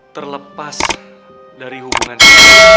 terlepas dari hubungan kita